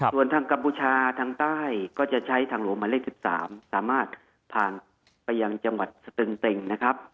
ส่วนทางกัมพูชาทางใต้ก็จะใช้ทางหลวงหมายเลข๑๓สามารถผ่านไปยังจังหวัดสตึงเต็งนะครับ